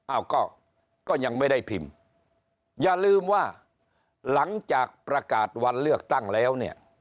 อ้าวก็ยังไม่ได้พิมพ์อย่าลืมว่าหลังจากประกาศวันเลือกตั้งแล้วเนี่ย